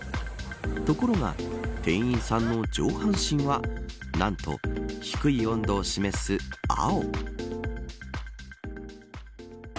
ところが店員さんの上半身はなんと、低い温度を示す青。